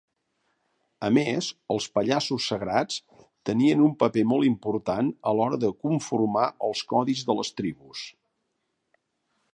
A més, els pallassos sagrats tenien un paper molt important a l'hora de conformar els codis de les tribus.